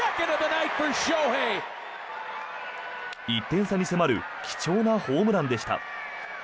１点差に迫る貴重なホームランでした。